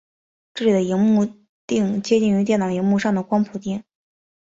这里的萤幕靛接近于电脑萤幕上的光谱靛。